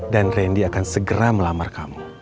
dan randy akan segera melamar kamu